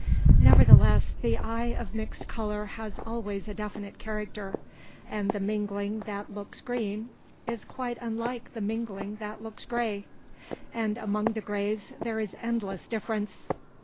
Nevertheless, the eye of mixed colour has always a definite character, and the mingling that looks green is quite unlike the mingling that looks grey; and among the greys there is endless difference.